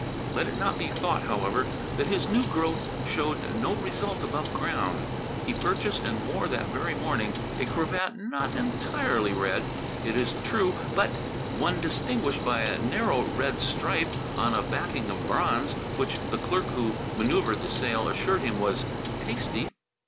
Let it not be thought, however, that his new growth showed no result above ground. He purchased and wore that very morning a cravat not entirely red, it is true, but one distinguished by a narrow red stripe on a backing of bronze, which the clerk who manoeuvred the sale assured him was "tasty."